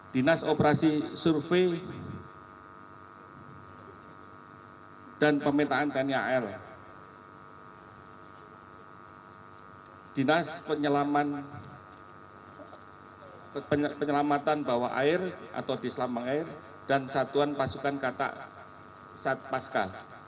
dinas operasi survei dan pemintaan tnal dinas penyelamatan bawah air atau dislamang air dan satuan pasukan katak satpasca